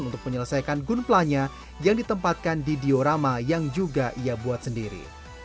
untuk menyelesaikan gunplanya yang ditempatkan di diorama yang juga ia buat sendiri